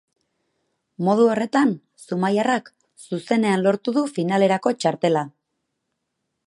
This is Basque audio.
Modu horretan, zumaiarrak zuzenean lortu du finalerako txartela.